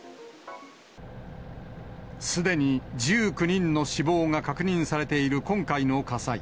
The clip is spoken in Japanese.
すでに１９人の死亡が確認されている今回の火災。